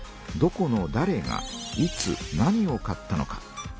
どこのだれがいつ何を買ったのか。